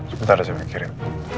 sebentar saya mengirim